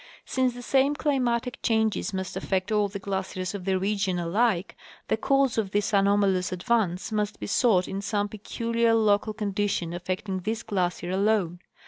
Since the same climatic changes must affect all the glaciers of the region alike, the cause of this anomalous advance must be sought in some peculiar local condition affecting this glacier alone.